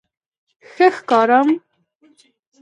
_ښه ښکارم؟